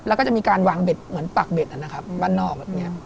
แล้วก็จะมีการวางเบ็ดเหมือนปากเด็ดนะครับบ้านนอกแบบนี้